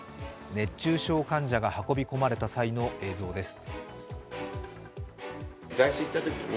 熱中症患者が運び込まれた際の映像です。